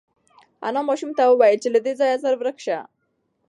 انا ماشوم ته وویل چې له دې ځایه زر ورک شه.